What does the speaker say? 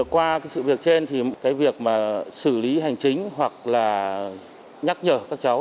qua cái sự việc trên thì cái việc mà xử lý hành chính hoặc là nhắc nhở các cháu